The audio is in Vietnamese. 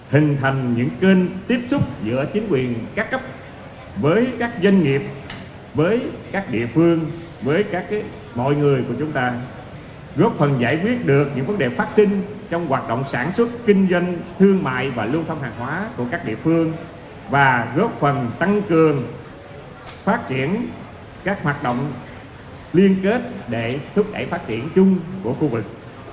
tôi hy vọng rằng những kênh tiếp xúc giữa chính quyền các cấp với các doanh nghiệp với các địa phương với các mọi người của chúng ta góp phần giải quyết được những vấn đề phát sinh trong hoạt động sản xuất kinh doanh thương mại và lưu thông hàng hóa của các địa phương và góp phần tăng cường phát triển các hoạt động liên kết để thúc đẩy phát triển chung của khu vực